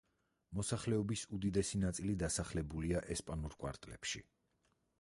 მოსახლეობის უდიდესი ნაწილი დასახლებულია ესპანურ კვარტლებში.